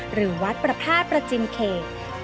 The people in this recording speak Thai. หรือวัดประพาทประจินเขต